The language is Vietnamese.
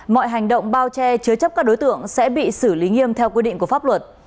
mọi hành động bao che chứa chấp các đối tượng sẽ bị xử lý nghiêm theo quy định của pháp luật